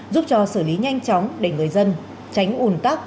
giúp cho xử lý nhanh chóng để người dân tránh ủn tắc